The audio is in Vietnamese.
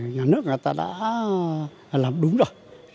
nhà nước người ta đã làm đúng rồi